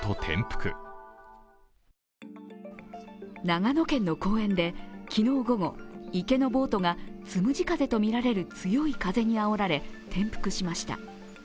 長野県の公園で昨日午後、池のボートがつむじ風とみられる強い風にあおられ、転覆しました。